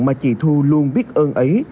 mà chị thu luôn biết ơn ấy